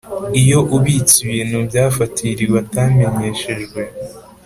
Iyo ubitse ibintu byafatiriwe atamenyeshejwe